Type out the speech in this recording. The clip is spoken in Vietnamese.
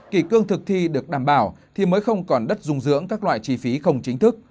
kỳ cương thực thi được đảm bảo thì mới không còn đất dung dưỡng các loại chi phí không chính thức